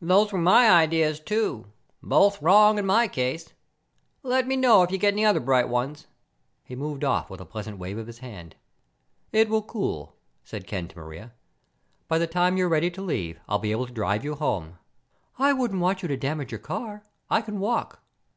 "Those were my ideas, too. Both wrong in my case. Let me know if you get any other bright ones." He moved off with a pleasant wave of his hand. "It will cool," said Ken to Maria. "By the time you're ready to leave I'll be able to drive you home." "I wouldn't want you to damage your car. I can walk."